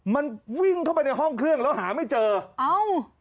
มันวิ่งเข้าไปในห้องเครื่องแล้วหาไม่เจอเอ้า